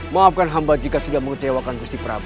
maafkan hamba jika sudah mengecewakan gusti perabu